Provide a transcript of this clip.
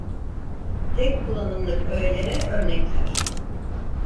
Tek kullanımlık öğelere örnekler: